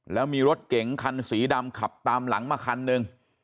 แล้วมีรถเก๋งคันสีดำขับตามหลังมาคันหนึ่ง